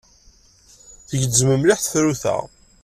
Tgezzem mliḥ tefrut-a.